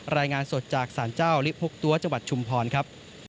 รายงานสดจากสารเจ้าลิพุกตัวจังหวัดชุมพรครับ